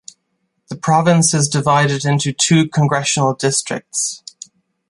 The province is divided into two congressional districts.